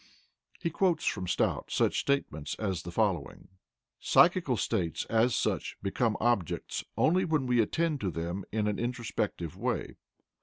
He quotes from Stout such statements as the following: "Psychical states as such become objects only when we attend to them in an introspective way.